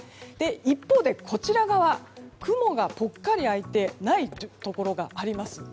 一方でこちら側、雲がぽっかり空いてないところがありますね。